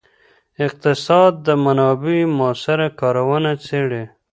اقتصاد د منابعو مؤثره کارونه څیړي.